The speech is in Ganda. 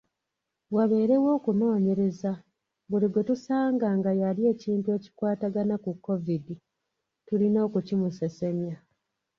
Wabeerewo okunoonyereza, buli gwe tusanga nga yalya ekintu ekikwatagana ku Kovidi tulina okukimusesemya.